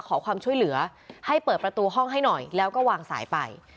ขอความช่วยเหลือให้เปิดประตูห้องให้หน่อยแล้วก็วางสายไป